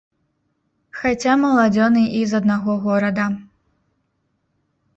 Хаця маладзёны і з аднаго горада.